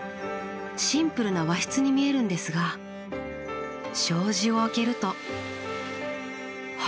シンプルな和室に見えるんですが障子を開けるとほら富士山！